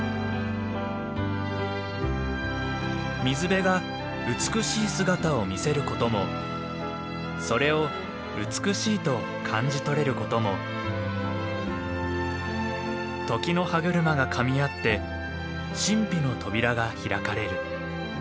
水辺が美しい姿を見せることもそれを美しいと感じとれることも時の歯車がかみ合って神秘の扉が開かれる。